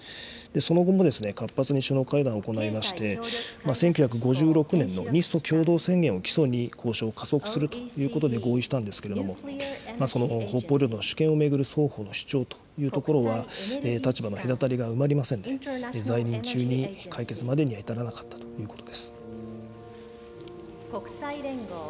その後も、活発に首脳会談を行いまして、１９５６年の日ソ共同宣言を基礎に交渉を加速するということで合意したんですけれども、その北方領土の主権を巡る双方の主張というところは、立場の隔たりが埋まりませんで、在任中に解決までには至らなかったということです。